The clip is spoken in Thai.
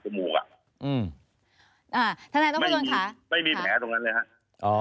จมูกอ่าอ่าอ่าไม่มีไม่มีแผลตรงนั้นเลยฮะ